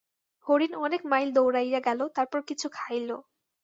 হরিণ অনেক মাইল দৌড়াইয়া গেল, তারপর কিছু খাইল।